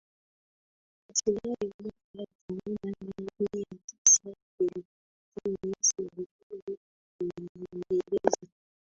Hatimaye mwaka elfumoja miatisa thelathini serikali ya Kiingereza